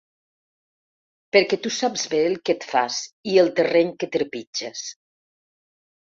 Perquè tu saps bé el que et fas i el terreny que trepitges.